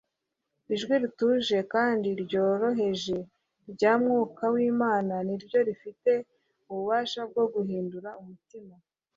Ijwi rituje kandi ryoroheje rya Mwuka wImana ni ryo rifite ububasha bwo guhindura umutima